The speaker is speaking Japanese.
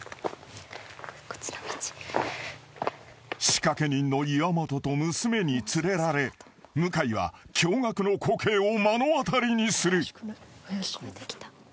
［仕掛け人の岩本と娘に連れられ向井は驚愕の光景を目の当たりにする］